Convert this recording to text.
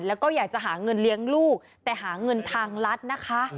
แล้วก็อยากจะหาเงินเลี้ยงลูกแต่หาเงินทางรัฐนะคะ